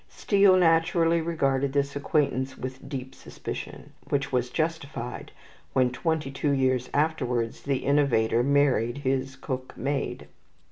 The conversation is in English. Steele naturally regarded this acquaintance with deep suspicion, which was justified when, twenty two years afterwards, the innovator married his cook maid.